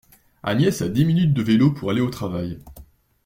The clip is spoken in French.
Agnès a dix minutes de vélo pour aller au travail.